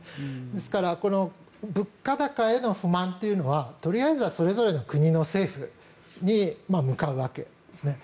ですから物価高への不満というのはとりあえずはそれぞれの国の政府に向かうわけですね。